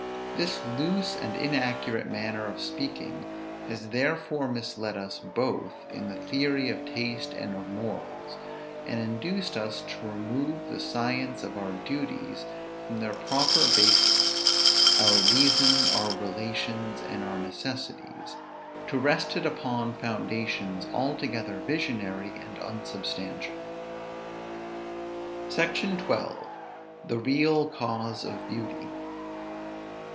This loose and inaccurate manner of speaking has therefore misled us both in the theory of taste and of morals; and induced us to remove the science of our duties from their proper basis (our reason, our relations, and our necessities), to rest it upon, foundations altogether visionary and unsubstantial. SECTION XII. THE REAL CAUSE OF BEAUTY.